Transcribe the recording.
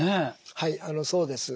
はいあのそうです。